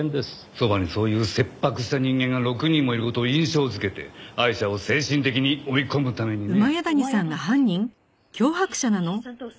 そばにそういう切迫した人間が６人もいる事を印象づけてアイシャを精神的に追い込むためにね。